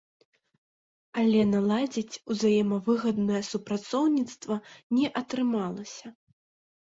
Але наладзіць узаемавыгаднае супрацоўніцтва не атрымалася.